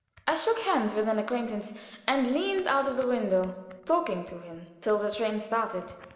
I shook hands with an acquaintance, and leaned out of the window, talking to him till the train started.